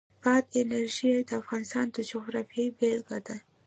بادي انرژي د افغانستان د جغرافیې بېلګه ده.